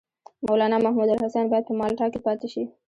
مولنا محمودالحسن باید په مالټا کې پاته شي.